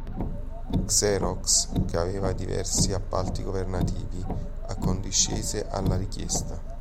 Xerox, che aveva diversi appalti governativi, accondiscese alla richiesta.